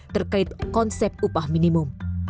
terkait konsep upah minimum